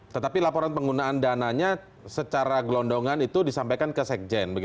tetapi laporan penggunaan dananya secara gelondongan itu disampaikan ke sekjen